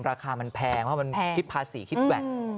ราคามันแพงมันคิดภาษีคิดแบ่ง